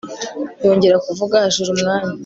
yongera kuvuga hashira umwanya